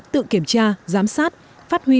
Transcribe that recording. tự kiểm tra giám sát phát huy